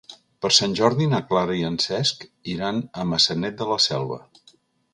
Per Sant Jordi na Clara i en Cesc iran a Maçanet de la Selva.